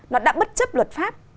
nó đã bất chấp luật pháp